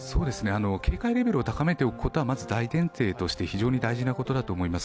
警戒レベルを高めておくことは大前提として非常に大事だと思います。